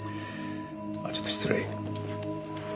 あっちょっと失礼。